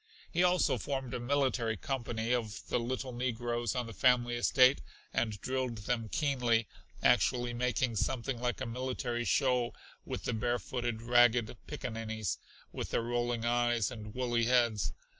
He also formed a military company of the little negroes on the family estate, and drilled them keenly, actually making something like a military show with the barefooted, ragged pickaninnies, with their rolling eyes and woolly heads.